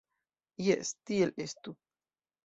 Jes, tiel estu.